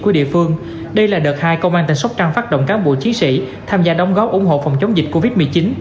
của địa phương đây là đợt hai công an tỉnh sóc trăng phát động cán bộ chiến sĩ tham gia đóng góp ủng hộ phòng chống dịch covid một mươi chín